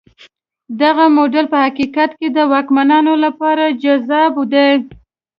دغه موډل په حقیقت کې د واکمنانو لپاره جذاب دی.